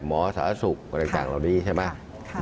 หมอสาธารณสุขกรรมกันต่างเหล่านี้ใช่ไหม